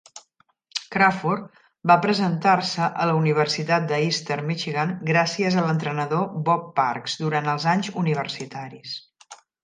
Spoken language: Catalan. Crawford va presentar-se a la Universitat de Eastern Michigan gràcies a l'entrenador Bob Parks durant els anys universitaris.